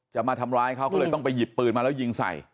จะมาทำร้ายเขาก็เลยต้องไปหยิบปืนมาแล้วยิงใส่